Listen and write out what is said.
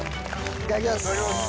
いただきます。